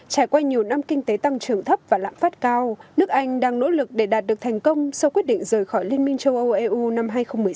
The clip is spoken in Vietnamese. trải qua nhiều năm kinh tế tăng trưởng thấp và lãm phát cao nước anh đang nỗ lực để đạt được thành công sau quyết định rời khỏi liên minh châu âu eu năm hai nghìn một mươi sáu